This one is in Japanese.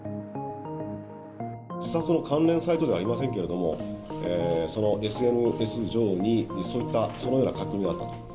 自殺の関連サイトではありませんけれども、そのＳＮＳ上に、そのような書き込みがあったと。